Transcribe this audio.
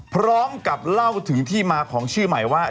พร้อมกับเล่าถึงที่มาของชื่อใหม่ว่า